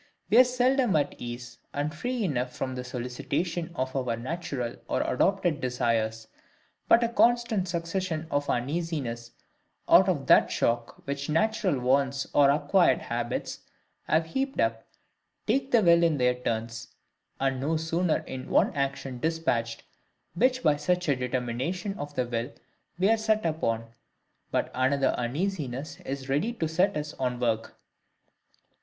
We are seldom at ease, and free enough from the solicitation of our natural or adopted desires, but a constant succession of uneasinesses out of that stock which natural wants or acquired habits have heaped up, take the will in their turns; and no sooner is one action dispatched, which by such a determination of the will we are set upon, but another uneasiness is ready to set us on work.